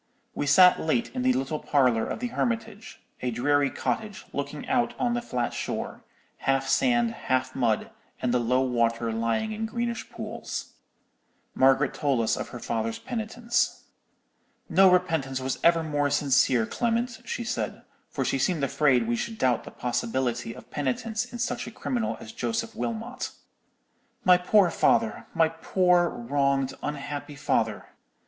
We sat late in the little parlour of the Hermitage; a dreary cottage, looking out on the flat shore, half sand, half mud, and the low water lying in greenish pools. Margaret told us of her father's penitence. "'No repentance was ever more sincere, Clement,' she said, for she seemed afraid we should doubt the possibility of penitence in such a criminal as Joseph Wilmot. 'My poor father—my poor wronged, unhappy father!